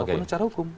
walaupun secara hukum